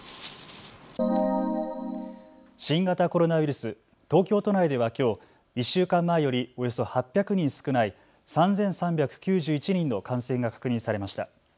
新型コロナウイルス、東京都内ではきょう１週間前よりおよそ８００人少ない３３９１人の感染が確認されました。